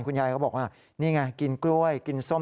เขาบอกว่านี่ไงกินกล้วยกินส้ม